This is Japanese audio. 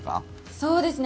そうですね。